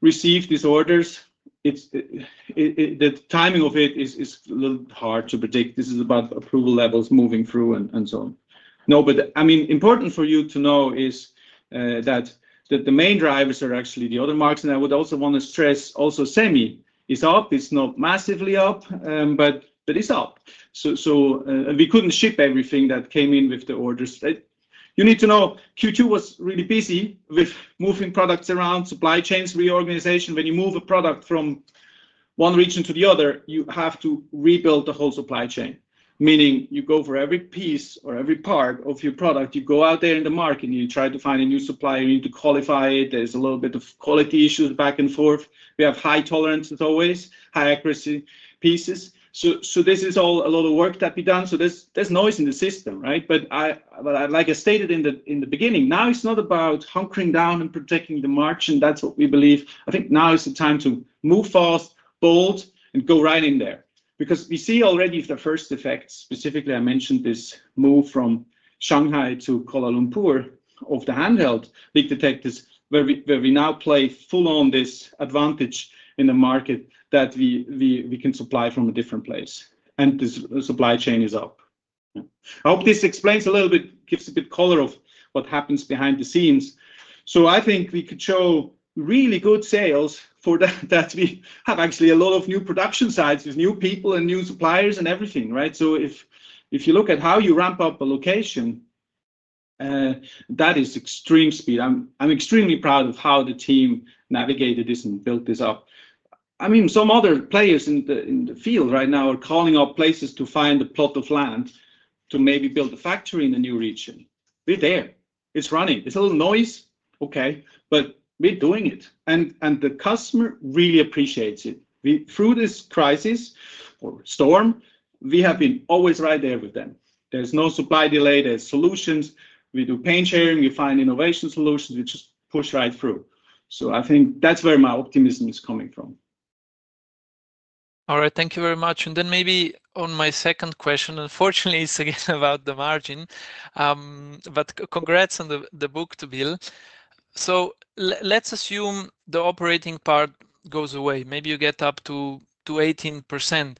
receive these orders, the timing of it is a little hard to predict. This is about approval levels moving through and so on. Important for you to know is that the main drivers are actually the other marks. I would also want to stress also semi is up. It's not massively up, but it's up. We couldn't ship everything that came in with the orders. You need to know Q2 was really busy with moving products around, supply chains reorganization. When you move a product from one region to the other, you have to rebuild the whole supply chain. Meaning you go for every piece or every part of your product. You go out there in the market, you try to find a new supplier, you need to qualify it. There's a little bit of quality issues back and forth. We have high tolerances, always high accuracy pieces. This is all a lot of work to be done. There's noise in the system, but like I stated in the beginning, now it's not about hunkering down and protecting the margin. That's what we believe. I think now is the time to move fast, bold and go right in there. We see already the first effects. Specifically I mentioned this move from Shanghai to Kuala Lumpur of the handheld leak detectors where we now play full on this advantage in the market that we can supply from a different place and the supply chain is up. I hope this explains a little bit, gives a bit color of what happens behind the scenes. I think we could show really good sales for that. We have actually a lot of new production sites with new people and new suppliers and everything. If you look at how you ramp up a location, that is extreme speed. I'm extremely proud of how the team navigated this and built this up. I mean, some other players in the field right now are calling up places to find a plot of land to maybe build a factory in a new region. We're there, it's running, it's a little noise, okay, but we're doing it and the customer really appreciates it. Through this crisis or storm, we have been always right there with them. There's no supply delay, there's solutions. We do paint sharing, we find innovation solutions, we just push right through. I think that's where my optimism is coming from. All right, thank you very much. Maybe on my second question, unfortunately it's again about the margin, but congrats on the book-to-bill. Let's assume the operating part goes away. Maybe you get up to 18%,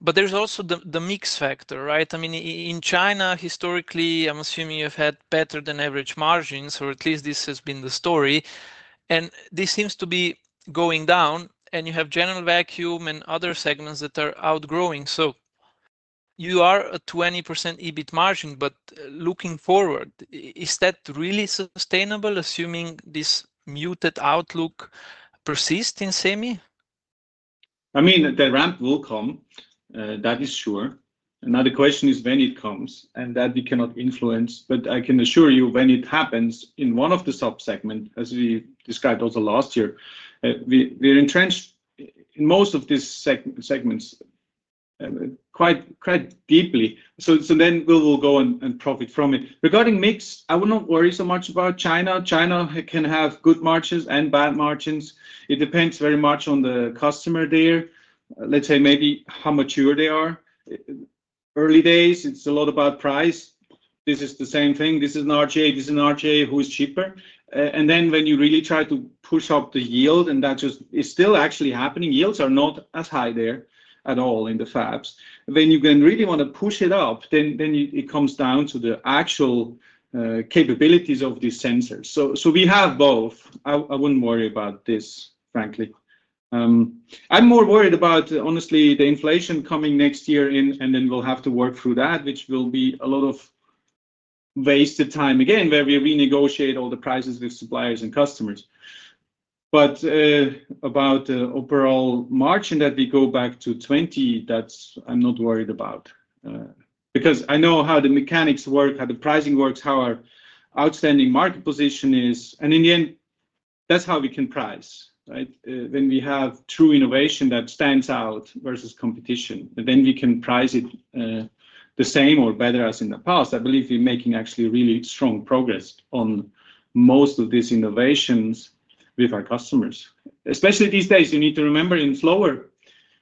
but there's also the mix factor, right? I mean, in China, historically I'm assuming you've had better than average margins or at least this has been the story and this seems to be going down and you have general vacuum and other segments that are outgrowing. You are a 20% EBIT margin. Looking forward, is that really sustainable? Assuming this muted outlook persists in semi. I mean the ramp will come, that is sure. Now the question is when it comes and that we cannot influence. I can assure you when it happens in one of the sub segment, as we described also last year, we're entrenched in most of these segments quite, quite deeply. We will go and profit from it. Regarding mix, I would not worry so much about China. China can have good margins and bad margins. It depends very much on the customer there, let's say maybe how mature they are, early days. It's a lot about price. This is the same thing. This is an RTA. This is an RTA who is cheaper. When you really try to push up the yield and that just is still actually happening, yields are not as high there at all in the fabs. You can really want to push it up. It comes down to the actual capabilities of these sensors. We have both. I wouldn't worry about this, frankly. I'm more worried about honestly the inflation coming next year. We'll have to work through that, which will be a lot of wasted time again where we renegotiate all the prices with suppliers and customers. About the overall margin that we go back to 20%, I'm not worried about because I know how the mechanics work, how the pricing works, how our outstanding market position is. In the end that's how we can price right when we have true innovation that stands out versus competition and then we can price it the same or better as in the past. I believe we're making actually really strong progress on most of these innovations with our customers, especially these days. You need to remember in slower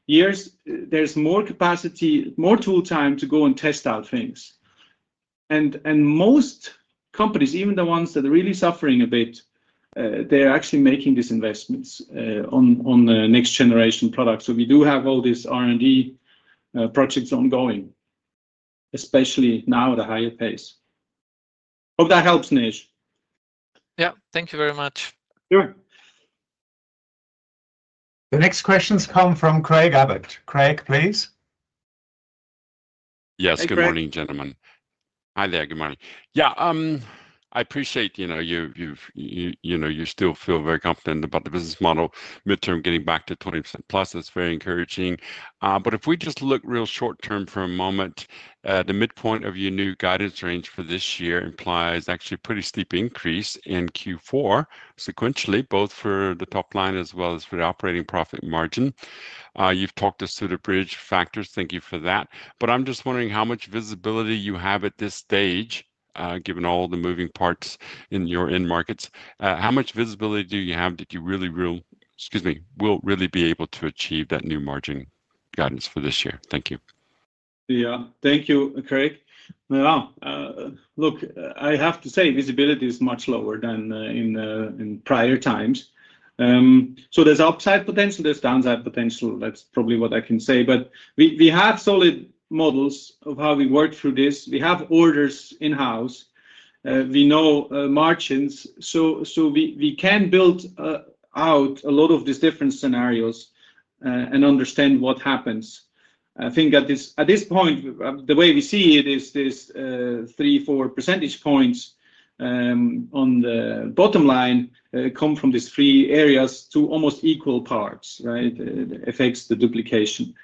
years there's more capacity, more tool time to go and test out things. Most companies, even the ones that are really suffering a bit, they're actually making these investments on the next generation products. We do have all these R&D projects ongoing, especially now at a higher pace. Hope that helps, Nish. Yeah, thank you very much. The next questions come from Craig Abbott. Craig, please. Yes, good morning, gentlemen. Hi there. Good morning. I appreciate, you know, you still feel very confident about the business model midterm getting back to 20% plus. That's very encouraging. If we just look real short term for a moment, the midpoint of your new guidance range for this year implies actually a pretty steep increase in Q4 sequentially, both for the top line as well as for the operating profit margin. You've talked us through the bridge factors. Thank you for that. I'm just wondering how much visibility you have at this stage given all the moving parts in your end markets. How much visibility do you have that you really will, excuse me, will really be able to achieve that new margin guidance for this year? Thank you. Yeah, thank you, Craig. Look, I have to say visibility is much lower than in prior times. There's upside potential, there's downside potential, that's probably what I can say. We have solid models of how we work through this. We have orders in house, we know margins, so we can build out a lot of these different scenarios and understand what happens. I think at this point, the way we see it is this 3, 4 percentage points on the bottom line come from these three areas to almost equal parts, affects the duplication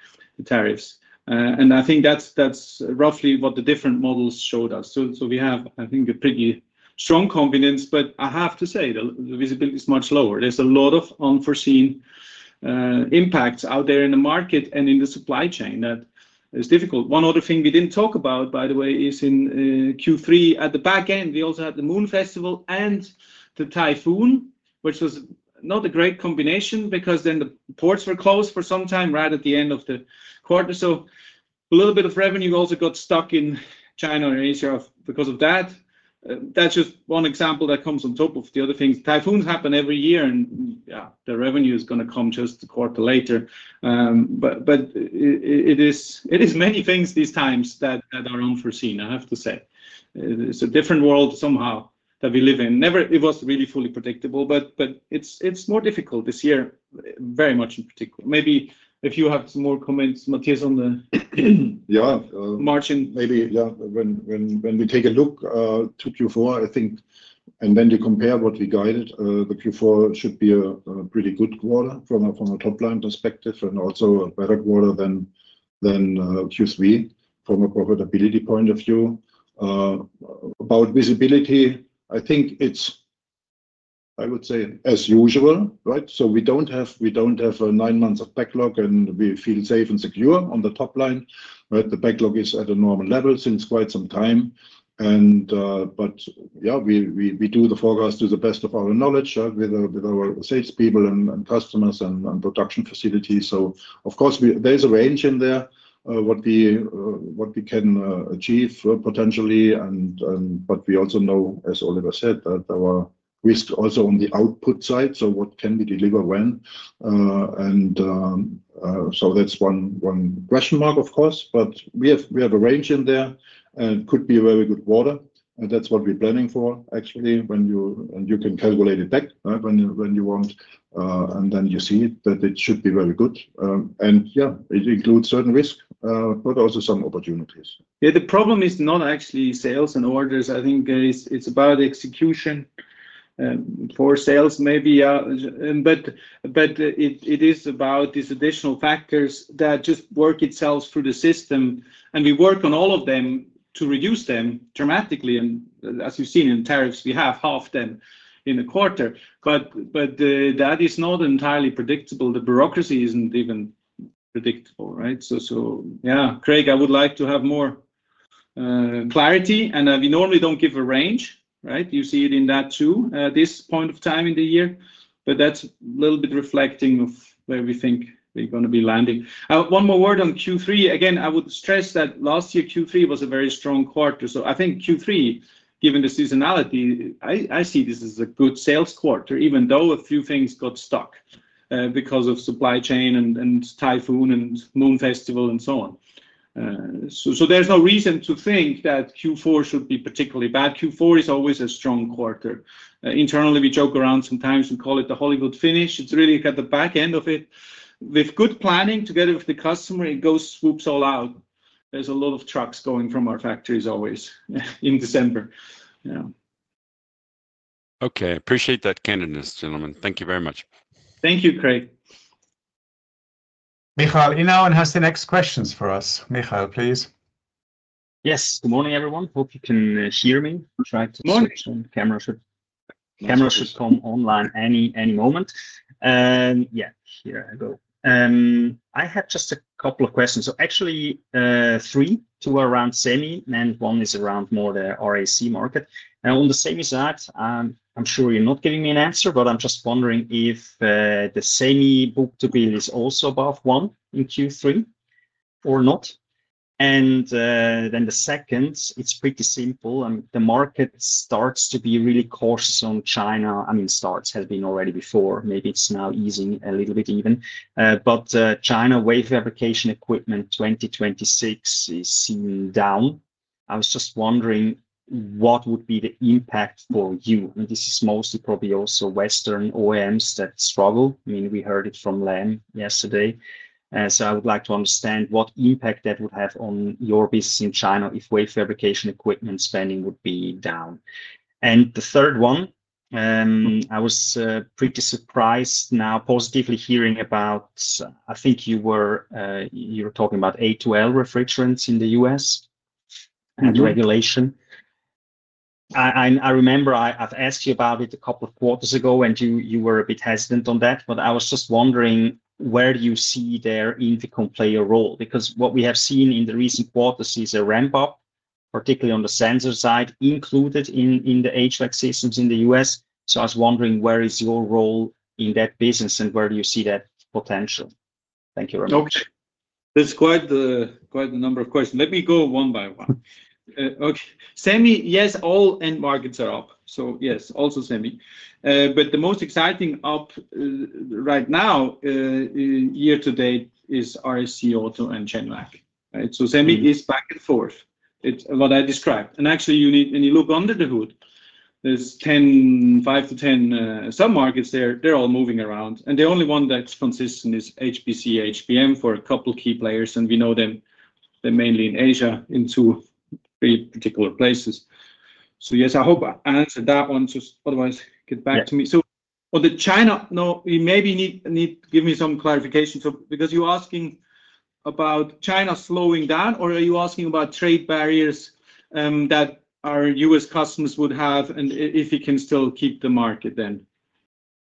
tariffs. I think that's roughly what the different models showed us. We have, I think, a pretty strong confidence. I have to say the visibility is much lower. There's a lot of unforeseen impacts out there in the market and in the supply chain. That is difficult. One other thing we didn't talk about, by the way, is in Q3 at the back end, we also had the Moon Festival and the typhoon, which was not a great combination because then the ports were closed for some time right at the end of the quarter. A little bit of revenue also got stuck in China or Asia because of that. That's just one example that comes on top of the other things. Typhoons happen every year and the revenue is going to come just a quarter later. It is many things these times that are unforeseen, I have to say. It's a different world somehow that we live in. Never was it really fully predictable, but it's more difficult this year, very much in particular. Maybe if you have some more comments, Matthias, on the. Yeah. Margin maybe. Yeah. When we take a look to Q4, I think and then you compare what we guided. Q4 should be a pretty good quarter from a top line perspective and also a better quarter than Q3 from a profitability point of view. About visibility, I think it's, I would say, as usual. Right. We don't have nine months of backlog and we feel safe and secure on the top line, but the backlog is at a normal level since quite some time. We do the forecast to the best of our knowledge with our salespeople and customers and production facilities. Of course there's a range in there, what we can achieve potentially. We also know, as Oliver said, that our risk also on the output side, what can we deliver when. That's one question mark, of course. We have a range in there and could be a very good quarter. That's what we're planning for actually and you can calculate it back when you want and then you see that it should be very good. It includes certain risks but also some opportunities. Yeah. The problem is not actually sales and orders. I think it's about execution for sales maybe, but it is about these additional factors that just work itself through the system and we work on all of them to reduce them dramatically, and as you've seen in tariffs, we have halved them in a quarter. That is not entirely predictable. The bureaucracy isn't even predictable. Right. Craig, I would like to have more clarity and we normally don't give a range. You see it in that too at this point of time in the year. That's a little bit reflecting of where we think we're going to be landing. One more word on Q3 again, I would stress that last year Q3 was a very strong quarter. I think Q3, given the seasonality, I see this as a good sales quarter even though a few things got stuck because of supply chain and typhoon and Moon Festival and so on. There's no reason to think that Q4 should be particularly bad. Q4 is always a strong quarter internally. We joke around sometimes and call it the Hollywood finish. It's really at the back end of it with good planning together with the customer it goes swoops all out. There's a lot of trucks going from our factories always in December. Okay, I appreciate that candidness, gentlemen. Thank you very much. Thank you, Craig. Michael Inauen has the next questions for us. Michael, please. Yes, good morning everyone. Hope you can hear me. Camera should come online any moment. Yeah, here I go. I had just a couple of questions, actually three: two around semi and one is around more the RAC Auto market. On the semi side, I'm sure you're not giving me an answer, but I'm just wondering if the semi book-to-bill ratio is also above 1 in Q3 or not. The second is pretty simple. The market starts to be really cautious on China. I mean, it has been already before, maybe it's now easing a little bit even. China wafer fabrication equipment 2026 is seen down. I was just wondering what would be the impact for you, and this is mostly probably also Western OEMs that struggle. I mean, we heard it from Lam yesterday. I would like to understand what impact that would have on your business in China if wafer fabrication equipment spending would be down. The third one, I was pretty surprised now, positively, hearing about—I think you were talking about A2L refrigerants in the U.S. and regulation. I remember I've asked you about it a couple of quarters ago and you were a bit hesitant on that. I was just wondering where do you see there INFICON play a role? Because what we have seen in the recent quarters is a ramp up, particularly on the sensor side, included in the HVAC systems in the U.S. I was wondering where is your role in that business and where do you see that potential? Thank you very much. There's quite a number of questions. Let me go one by one. Okay. Semi. Yes, all end markets are up. Yes, also semi. The most exciting up right now year to date is RAC Auto and general. Right. Semi is back and forth. It's what I described. Actually, you need any look under the hood. There's five to ten sub-markets there, they're all moving around and the only one that's consistent is HVAC HBM for a couple key players and we know them, they're mainly in Asia into three particular places. I hope I answered that one. Otherwise, get back to me. So. Do you need to give me some clarification? Are you asking about China slowing down, or are you asking about trade barriers that our U.S. customers would have, and if you can still keep the— Market then,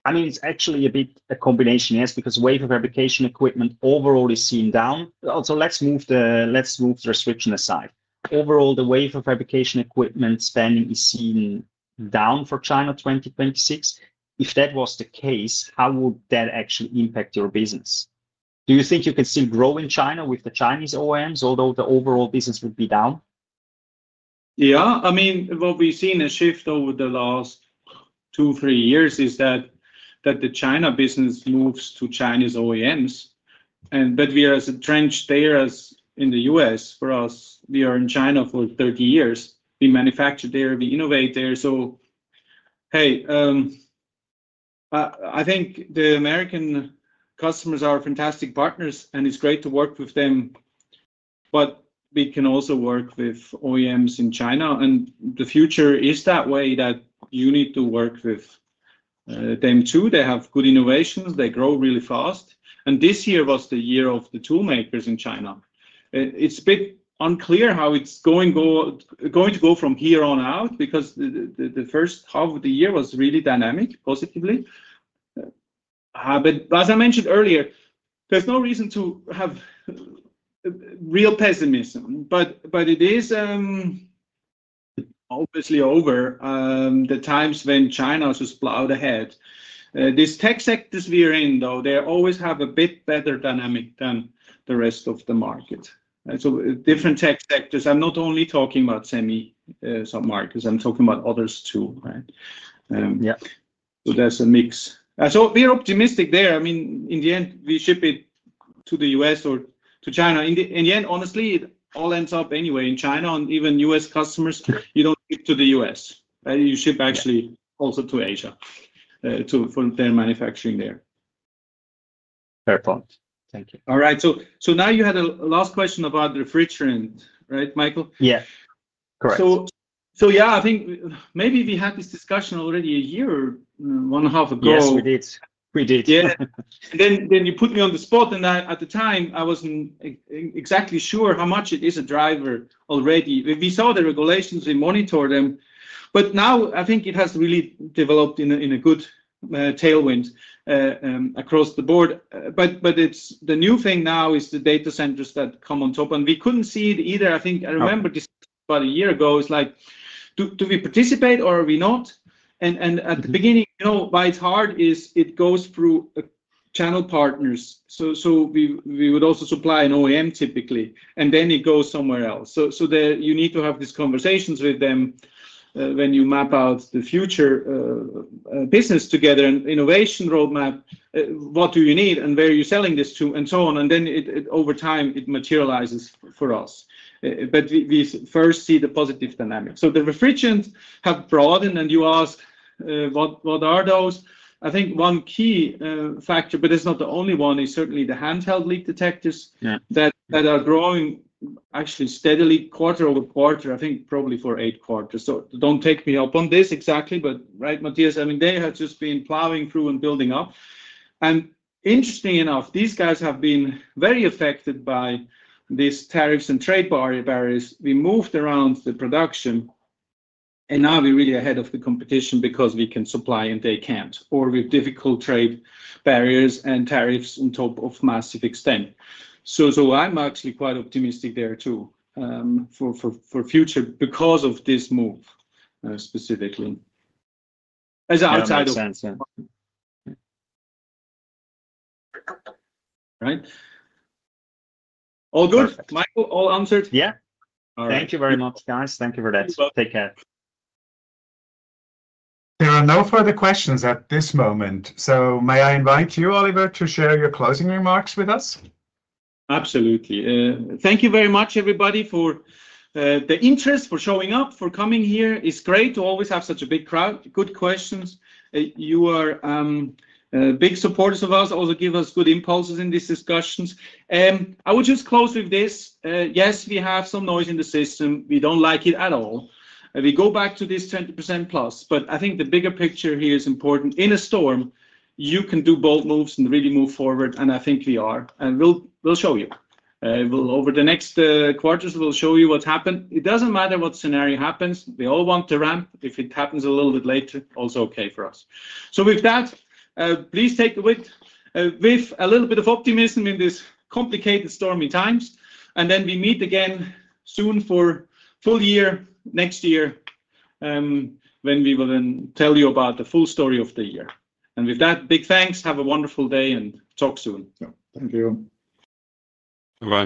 I mean, it's actually a bit a combination. Yes, because wafer of fabrication equipment overall is seen down also. Let's move the restriction aside. Overall, the wafer of fabrication equipment spending is seen down for China 2026. If that was the case, how would that actually impact your business? Do you think you can still grow in China with the Chinese OEMs, although the overall business would be down? Yeah, I mean what we've seen a shift over the last two, three years is that the China business moves to Chinese OEMs. We are as entrenched there as in the U.S. For us, we are in China for 30 years. We manufacture there, we innovate there. I think the American customers are fantastic partners and it's great to work with them, but we can also work with OEMs in China and the future is that way that you need to work with them too. They have good innovations, they grow really fast. This year was the year of the tool makers in China. It's a bit unclear how it's going to go from here on out because the first half of the year was really dynamic, positively. As I mentioned earlier, there's no reason to have real pessimism. It is obviously over the times when China just ploughed ahead. These tech sectors we are in though, they always have a bit better dynamic than the rest of the market. Different tech sectors, I'm not only talking about semi submarkets, I'm talking about others too. Right, yeah. That's a mix. We're optimistic there. I mean, in the end we ship it to the U.S. or to China. In the end, honestly, it all ends up anyway in China and even U.S. customers, you don't get to the U.S. and you ship actually also to Asia for their manufacturing there. Thank you. All right, you had a last question about refrigerant, right, Michael? Yes, correct. I think maybe we had this discussion already a year, one and a half ago. Yes, we did. Yeah. You put me on the spot and I, at the time, I wasn't exactly sure how much it is a driver already. We saw the regulations, we monitor them. I think it has really developed in a good tailwind across the board. The new thing now is the data centers that come on top and we couldn't see it either. I think I remember just about a year ago, it's like, do we participate or are we not? At the beginning, why it's hard is it goes through channel partners, so we would also supply an OEM typically, and then it goes somewhere else. You need to have these conversations with them when you map out the future business together and innovation roadmap, what do you need and where are you selling this to, and so on. Over time, it materializes for us, but we first see the positive dynamics. The refrigerants have broadened and you ask what are those? I think one key factor, but it's not the only one, is certainly the handheld leak detectors that are growing actually steadily quarter over quarter, I think probably for eight quarters. Don't take me up on this exactly. Right, Matthias. I mean, they have just been plowing through and building up. Interesting enough, these guys have been very affected by these tariffs and trade barriers. We moved around the production and now we're really ahead of the competition because we can supply and they can't, or with difficult trade barriers and tariffs on top of massive extent. I'm actually quite optimistic there too, for future because of this move specifically as outside of. Right. All good, Michael, all answered? Yeah. Thank you very much, guys. Thank you for that. Take care. There are no further questions at this moment. May I invite you, Oliver, to share your closing remarks with us? Absolutely. Thank you very much everybody for the interest, for showing up, for coming here. It's great to always have such a big crowd. Good questions. You are big supporters of us, also give us good impulses in these discussions. I would just close with this. Yes, we have some noise in the system. We don't like it at all. We go back to this 20%+. I think the bigger picture here is important. In a storm, you can do bold moves and really move forward. I think we are, and we'll show you over the next quarters. We'll show you what's happened. It doesn't matter what scenario happens. We all want the ramp. If it happens a little bit later, also okay for us. With that, please take with a little bit of optimism in this complicated, stormy times. We meet again soon for full year next year, when we will then tell you about the full story of the year. With that, big thanks. Have a wonderful day and talk soon. Thank you.